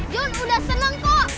jun udah seneng kok